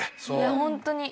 ホントに。